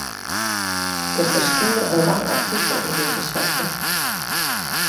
Der ferskynde in lang artikel oer dizze sekte.